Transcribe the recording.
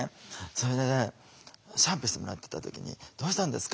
それでねシャンプーしてもらってた時に「どうしたんですか？